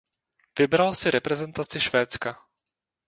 Vybral si reprezentaci Švédska.